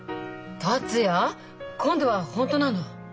達也今度は本当なの？